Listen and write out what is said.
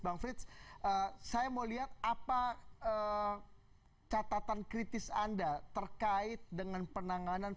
bang frits saya mau lihat apa catatan kritis anda terkait dengan penanganan